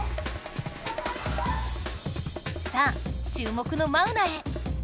さあ注目のマウナへ！